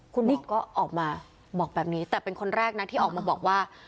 คุณนิกก็ออกมาบอกแบบนี้แต่เป็นคนแรกนะที่ออกมาบอกว่า